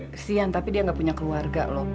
kesian tapi dia gak punya keluarga lho